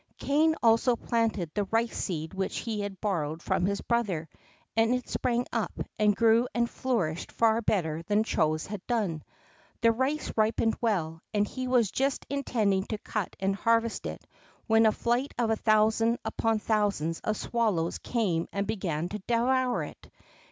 Kané also planted the rice seed which he had borrowed from his brother, and it sprang up, and grew and flourished far better than Chô's had done. The rice ripened well, and he was just intending to cut and harvest it when a flight of thousands upon thousands of swallows came and began to devour it.